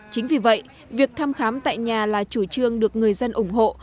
chính vì vậy việc thăm khám tại nhà là chủ trương được người dân ủng hộ